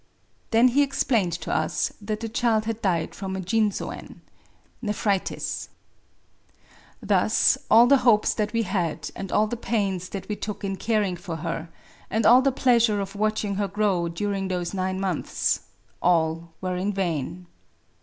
Then he explained to us that the child had died from 2,jin%ben} ... Thus all the hopes that we had, and all the pains that we took in caring for her, and all the pleasure of watch ing her grow during those nine months, — all were in vain